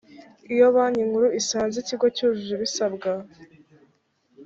iyo banki nkuru isanze ikigo cyujuje ibisabwa